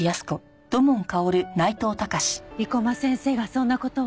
生駒先生がそんな事を。